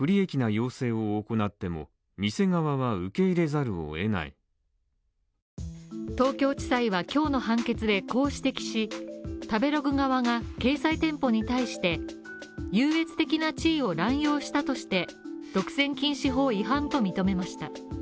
そして、今日東京地裁は今日の判決でこう指摘し、食べログ側が、掲載店舗に対して優越的な地位を乱用したとして独占禁止法違反と認めました。